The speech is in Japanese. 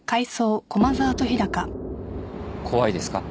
怖いですか？